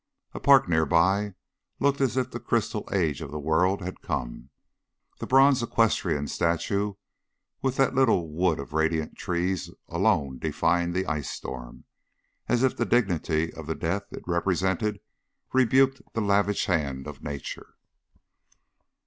A park near by looked as if the crystal age of the world had come. The bronze equestrian statue within that little wood of radiant trees alone defied the ice storm, as if the dignity of the death it represented rebuked the lavish hand of Nature.